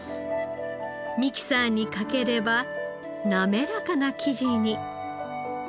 ミキサーにかければなめらかな生地に。